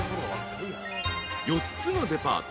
［４つのデパート。